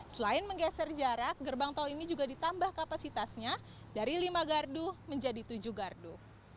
selain menggeser jarak gerbang tol ini juga ditambah kapasitasnya dari lima gardu menjadi tujuh gardu